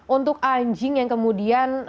untuk anjing yang kemudian